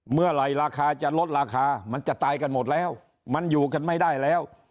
เมื่อไหร่ราคาจะลดราคามันจะตายกันหมดแล้วมันอยู่กันไม่ได้แล้ว